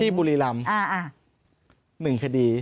พี่บุรีรำ๑คดี